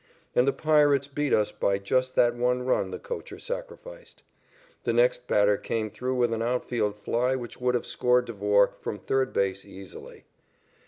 And the Pirates beat us by just that one run the coacher sacrificed. The next batter came through with an outfield fly which would have scored Devore from third base easily.